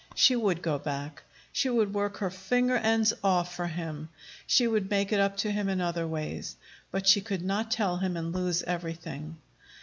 She would go back. She would work her finger ends off for him. She would make it up to him in other ways. But she could not tell him and lose everything.